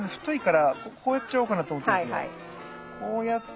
こうやって。